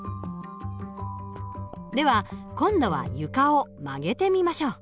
では今度は床を曲げてみましょう。